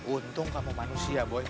untung kamu manusia boy